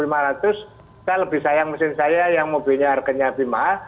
saya lebih sayang mesin saya yang mobilnya harganya lebih mahal